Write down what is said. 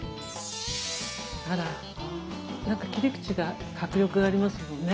あらなんか切り口が迫力ありますもんね。